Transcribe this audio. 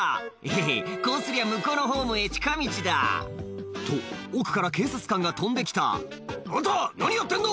「ヘヘヘこうすりゃ向こうのホームへ近道だ」と奥から警察官が飛んで来た「あんた何やってんの！